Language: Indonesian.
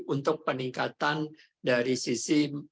untuk peningkatan dari sisi